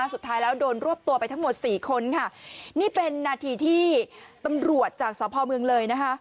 สุดท้ายแล้วโดนรวบตัวไปทั้งหมดสี่คนค่ะนี่เป็นนาทีที่ตำรวจจากสพเมืองเลยนะคะ